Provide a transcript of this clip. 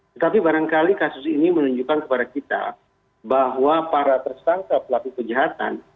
tetapi barangkali kasus ini menunjukkan kepada kita bahwa para tersangka pelaku kejahatan